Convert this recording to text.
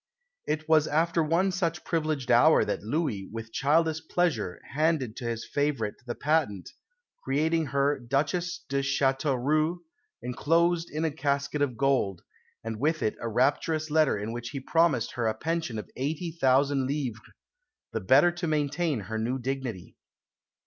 It was after one such privileged hour that Louis, with childish pleasure, handed to his favourite the patent, creating her Duchesse de Chateauroux, enclosed in a casket of gold; and with it a rapturous letter in which he promised her a pension of eighty thousand livres, the better to maintain her new dignity!